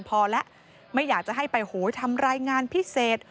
พอแล้วไม่อยากจะให้ไปโหยทำรายงานพิเศษ